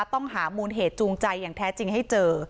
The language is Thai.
ต้องหามูลเหตุจูงใจอย่างแท้จริงให้เจอ